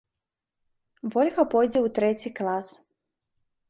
Вольга пойдзе ў трэці клас.